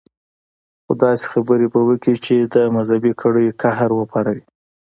خو داسې خبرې به وکي چې د مذهبي کړيو قهر وپاروي.